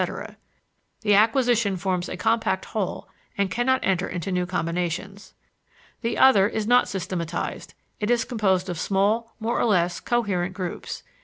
The acquisition forms a compact whole and cannot enter into new combinations. The other is not systematized; it is composed of small, more or less coherent groups.